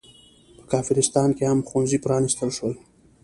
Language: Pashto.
په کافرستان کې هم ښوونځي پرانستل شول.